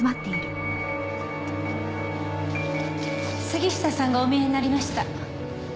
杉下さんがお見えになりました。